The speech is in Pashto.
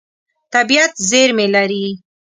طبیعت زېرمې لري.